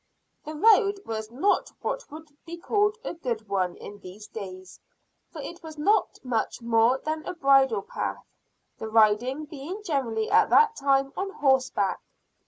The road was not what would be called a good one in these days, for it was not much more than a bridle path; the riding being generally at that time on horseback.